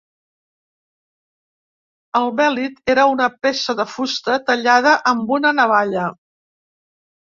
El bèlit era una peça de fusta tallada amb una navalla.